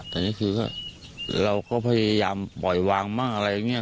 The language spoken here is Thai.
แต่นี่คือก็เราก็พยายามปล่อยวางมั่งอะไรอย่างนี้